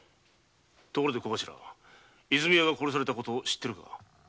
ところでコガシラ泉屋が殺されたのを知ってるか？